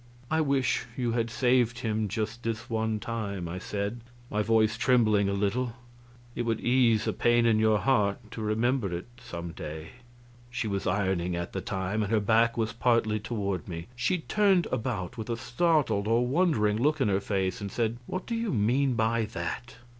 "I wish you had saved him just this one time," I said, my voice trembling a little; "it would ease a pain in your heart to remember it some day." She was ironing at the time, and her back was partly toward me. She turned about with a startled or wondering look in her face and said, "What do you mean by that?"